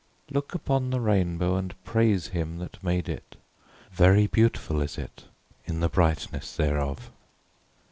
"Look upon the Rainbow, and praise him that made it: very beautiful is it in the brightness thereof."